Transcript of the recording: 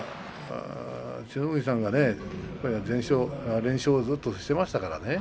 千代の富士さんが連勝をずっとしていましたからね。